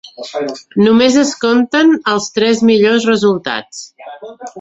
Només es compten els tres millors resultats.